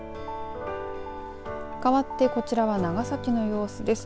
かわってこちらは長崎の様子です。